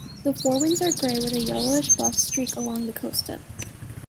The forewings are grey with a yellowish-buff streak along the costa.